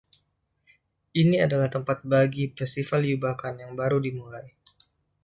Ini adalah tempat bagi Festival Yubakan yang baru dimulai.